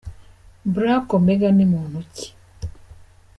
Black Omega ni muntu ki ?.